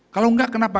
kalau enggak kenapa